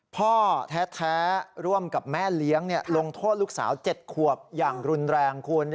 พ่อแท้ร่วมกับแม่เลี้ยงลงโทษลูกสาว๗ขวบอย่างรุนแรงคุณ